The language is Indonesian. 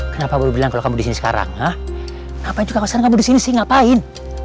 kenapa berbilang kamu disini sekarang ngapain juga kamu disini sih ngapain